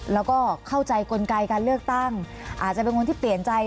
แล้วก็เข้าใจกลไกการเลือกตั้งอาจจะเป็นคนที่เปลี่ยนใจ